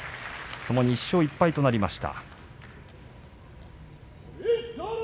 ともに１勝１敗となりました。